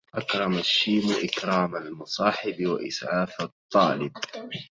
أكرم الشيم إكرام المصاحب وإسعاف الطالب.